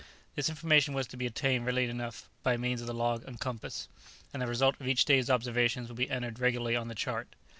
This information was to be obtained readily enough by means of the log and compass, and the result of each day's observations would be entered regularly on the chart.